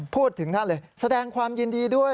พูดถึงท่านเลยแสดงความยินดีด้วย